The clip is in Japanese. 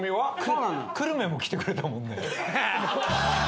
久留米も来てくれたもんね？